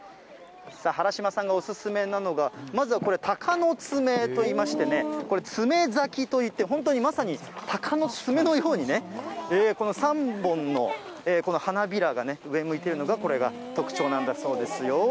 原嶋さんがお勧めなのが、まずはこれ、鷹の爪といいまして、爪咲きといって、本当にまさに鷹の爪のようにね、この３本の花びらがね、上向いているのが、これが特徴なんだそうですよ。